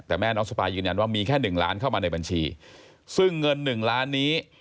แต่แม่น้องสปายยืนยันว่ามีแค่หนึ่งล้านเข้ามาในบัญชีซึ่งเงินหนึ่งล้านนี้